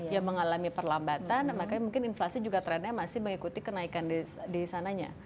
yang mengalami perlambatan makanya mungkin inflasi juga trendnya masih mengikuti kenaikan di sananya